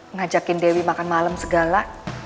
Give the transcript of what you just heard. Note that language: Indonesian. ngajakin dewi makan malam segala